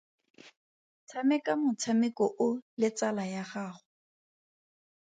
Tshameka motshameko o le tsala ya gago.